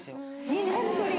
２年ぶり。